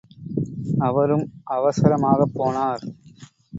அவரும் அவசரமாகப் போனார்.